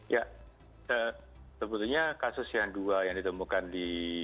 ya sebetulnya kasus yang dua yang ditemukan di